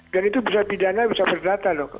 dan itu bisa pidana bisa berdata loh